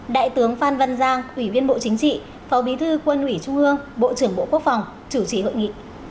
đại tướng phan văn giang ủy viên bộ chính trị phó bí thư quân ủy trung ương bộ trưởng bộ quốc phòng chủ trì hội nghị